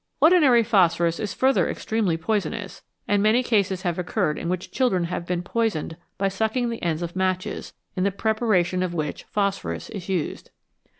Ordinary phosphorus is further extremely poisonous, and many cases have occurred in which children have been poisoned by sucking the ends of matches, in the preparation of which phosphorus is used.